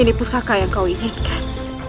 ini pusaka yang kau ikan